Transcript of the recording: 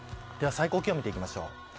では最高気温を見ていきます。